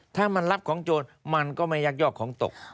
ถ้ามันรับของโจรมันก็ไม่ยักยอกของตก